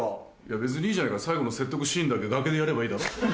別にいいじゃないか最後の説得シーンだけ崖でやればいいだろ？